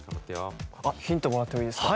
ヒントもらってもいいですか？